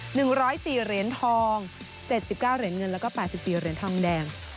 ๑๐๔เหรียญทอง๗๙เหรียญเงินแล้วก็๘๔เหรียญทองแดง